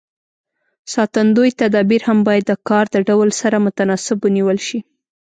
ساتندوی تدابیر هم باید د کار د ډول سره متناسب ونیول شي.